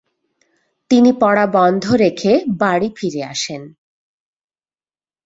তিনি পড়া বন্ধ রেখে বাড়ি ফিরে আসেন।